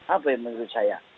apa ya menurut saya